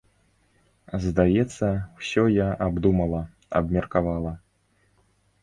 Здаецца, усё я абдумала, абмеркавала.